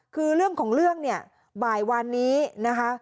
คือเรื่องของเรื่องเนี่ยบ่ายวันนี้นะคะ